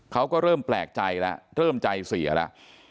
เขาก็เริ่มแปลกใจแล้วเริ่มใจเสียแล้ว